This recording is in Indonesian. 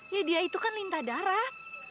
ya dia itu kan lintah darah